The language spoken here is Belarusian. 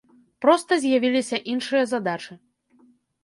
Проста з'явіліся іншыя задачы.